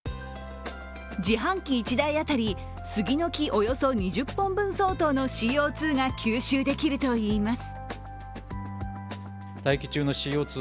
自販機１台当たり杉の木およそ２０本当たりのＣＯ２が吸収できるといいます。